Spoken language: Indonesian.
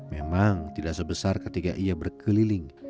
memang tidak sebesar ketika ia berkeliling